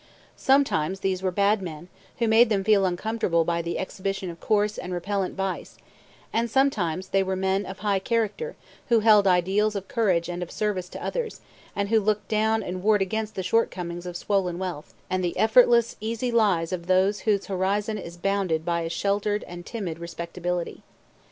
Sometimes these were bad men, who made them feel uncomfortable by the exhibition of coarse and repellent vice; and sometimes they were men of high character, who held ideals of courage and of service to others, and who looked down and warred against the shortcomings of swollen wealth, and the effortless, easy lives of those whose horizon is bounded by a sheltered and timid respectability.